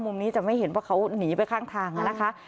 มุมนี้จะไม่เห็นว่าเขาหนีไปข้างทางนะคะ